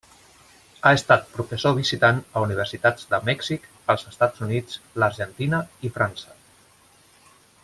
Ha estat professor visitant a universitats de Mèxic, els Estats Units, l'Argentina i França.